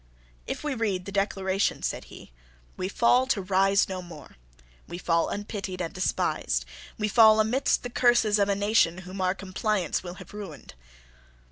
"If we read the Declaration," said he, "we fall to rise no more. We fall unpitied and despised. We fall amidst the curses of a nation whom our compliance will have ruined."